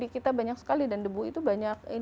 kita banyak sekali dan debu itu banyak